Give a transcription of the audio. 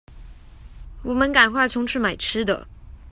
我們趕快衝去買吃的